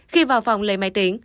khi vào phòng lấy máy tính